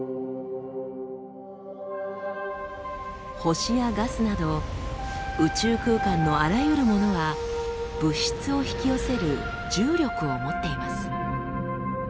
星やガスなど宇宙空間のあらゆるものは物質を引き寄せる重力を持っています。